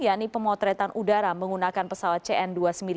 yakni pemotretan udara menggunakan pesawat cn dua ratus sembilan puluh